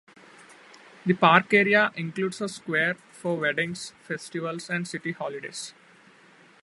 The park area includes a square for weddings, festivals, and city holidays.